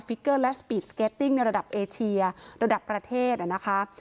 เกอร์และสปีดสเก็ตติ้งในระดับเอเชียระดับประเทศนะคะ